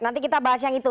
nanti kita bahas yang itu